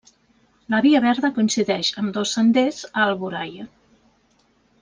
La via verda coincideix amb dos senders a Alboraia.